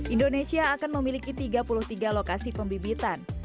indonesia akan memiliki tiga puluh tiga lokasi pembibitan